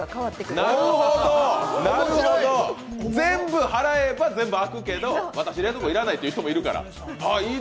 なるほど、全部払えば全部開くけど私、そんなとこ要らないっていう人もいるから。